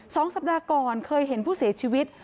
สองสัปดาห์ก่อนเคยเห็นผู้เสียชีวิต